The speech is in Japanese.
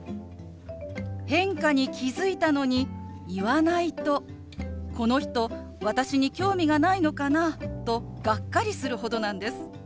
変化に気付いたのに言わないとこの人私に興味がないのかなとがっかりするほどなんです。